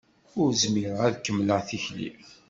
Ur zmireɣ ad kemmleɣ tikli.